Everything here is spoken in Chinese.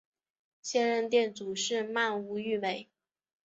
现任店主是鳗屋育美。